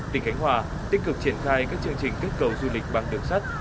tỉnh khánh hòa tích cực triển khai các chương trình kích cầu du lịch bằng đường sắt